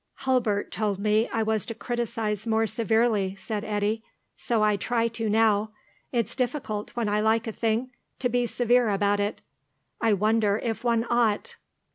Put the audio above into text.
"Hulbert told me I was to criticize more severely," said Eddy. "So I try to now. It's difficult, when I like a thing, to be severe about it. I wonder if one ought."